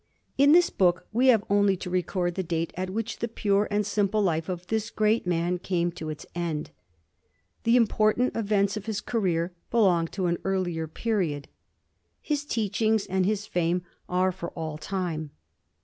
In this book we have only to record the date at which the pure and simple life of this great man came to its end. The important events of his career belong to an earlier period ; his teachings and his £ame are for all time.